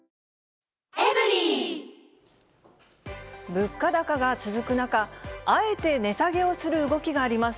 物価高が続く中、あえて値下げをする動きがあります。